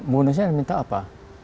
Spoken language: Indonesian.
bonusnya dia minta apa